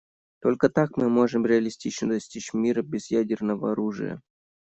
Только так мы можем реалистично достичь мира без ядерного оружия.